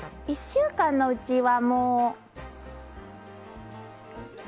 １週間のうちは。